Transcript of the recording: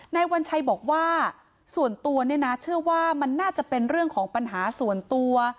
วัญชัยบอกว่าส่วนตัวเนี่ยนะเชื่อว่ามันน่าจะเป็นเรื่องของปัญหาส่วนตัว